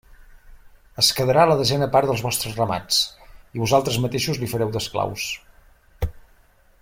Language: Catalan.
Es quedarà la desena part dels vostres ramats, i vosaltres mateixos li fareu d'esclaus.